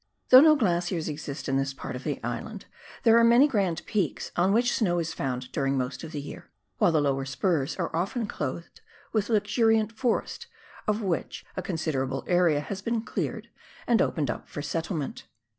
Though no glaciers exist in this part of the island, there are many grand peaks on which snow is found during most of the year, while the lower spurs are often clothed with luxuriant forest, of which a considerable area has been " cleared " and opened up for settlement.